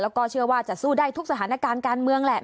แล้วก็เชื่อว่าจะสู้ได้ทุกสถานการณ์การเมืองแหละ